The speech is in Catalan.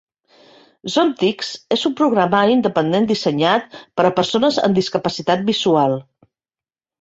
ZoomText és un programari independent dissenyat per a persones amb discapacitat visual.